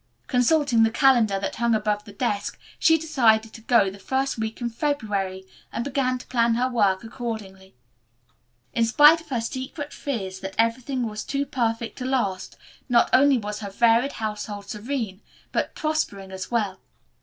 Consulting the calendar that hung above the desk, she decided to go the first week in February, and began to plan her work accordingly. In spite of her secret fears that everything was too perfect to last, not only was her varied household serene, but prospering as well.